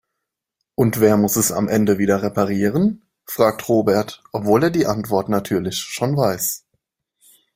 Und wer muss es am Ende wieder reparieren?, fragt Robert, obwohl er die Antwort natürlich schon weiß.